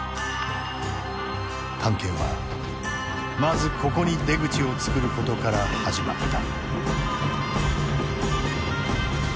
探検はまずここに出口を作ることから始まった。